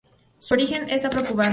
Su origen es afro-cubano.